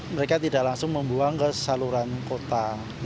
mereka tidak langsung membuang ke saluran kota